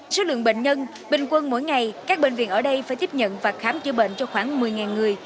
số lượng bệnh nhân bình quân mỗi ngày các bệnh viện ở đây phải tiếp nhận và khám chữa bệnh cho khoảng một mươi người